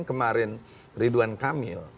kemarin ridwan kamil